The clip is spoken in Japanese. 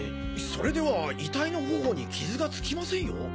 それでは遺体の頬に傷がつきませんよ？